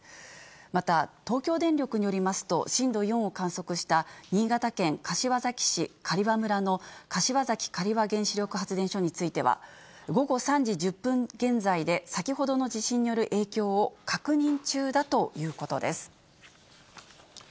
また東京電力によりますと、震度４を観測した新潟県柏崎市刈羽村の柏崎刈羽原子力発電所については、午後３時１０分現在で、先ほどの地震による影響を確認中だということです。